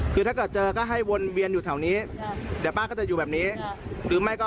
คือพูดคนที่อยากได้เจอเท่าไหร่แม่